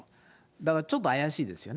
だからちょっと怪しいですよね。